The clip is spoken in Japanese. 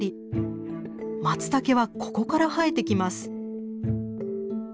マツタケはここから生えてきます。